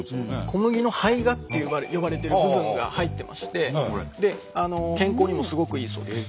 小麦の胚芽と呼ばれてる部分が入ってまして健康にもすごくいいそうです。